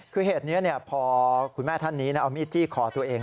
คือเหตุนี้พอคุณแม่ท่านนี้เอามีดจี้คอตัวเอง